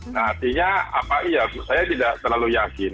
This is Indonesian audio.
nah artinya apa iya saya tidak terlalu yakin